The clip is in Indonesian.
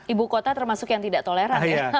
ibu kota termasuk yang tidak toleran